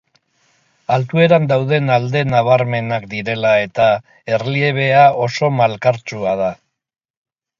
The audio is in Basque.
Altueran dauden alde nabarmenak direla eta, erliebea oso malkartsua da.